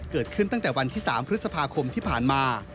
เกิดขึ้นตั้งแต่วันที่๓พฤษภาคมที่ผ่านมา